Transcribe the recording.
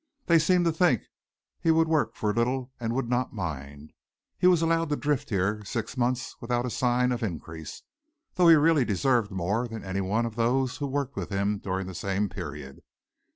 They seemed to think he would work for little and would not mind. He was allowed to drift here six months without a sign of increase, though he really deserved more than any one of those who worked with him during the same period.